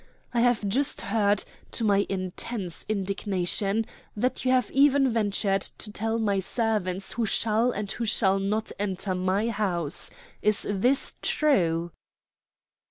"I have just heard, to my intense indignation, that you have even ventured to tell my servants who shall and who shall not enter my house. Is this true?"